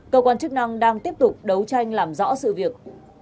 cơ quan chức năng đang tiếp tục đấu tranh làm rõ sự việc